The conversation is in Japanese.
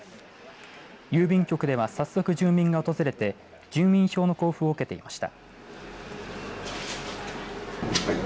郵便局では早速、住民が訪れて住民票の交付を受けていました。